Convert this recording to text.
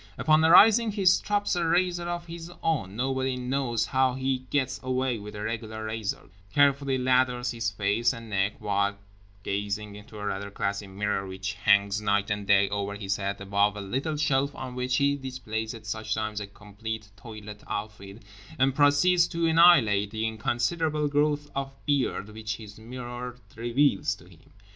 Upon arising he strops a razor of his own (nobody knows how he gets away with a regular razor), carefully lathers his face and neck—while gazing into a rather classy mirror which hangs night and day over his head, above a little shelf on which he displays at such times a complete toilet outfit—and proceeds to annihilate the inconsiderable growth of beard which his mirror reveals to him.